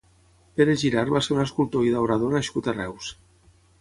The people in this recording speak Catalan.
Pere Girart va ser un escultor i daurador nascut a Reus.